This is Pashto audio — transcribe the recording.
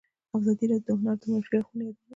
ازادي راډیو د هنر د منفي اړخونو یادونه کړې.